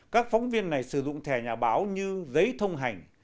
các phóng viên này sử dụng thẻ nhà báo như giấy thông hành